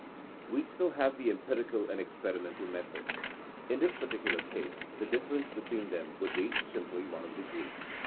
We still have 44 THINKINO AS A SOIENCE the empirical and experimental methods. In this particular case the difference between them would be simply one of degree.